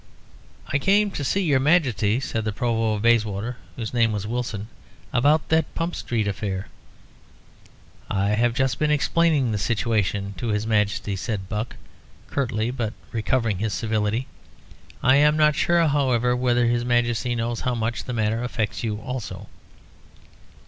"I came to see your Majesty," said the Provost of Bayswater, whose name was Wilson, "about that Pump Street affair." "I have just been explaining the situation to his Majesty," said Buck, curtly, but recovering his civility. "I am not sure, however, whether his Majesty knows how much the matter affects you also."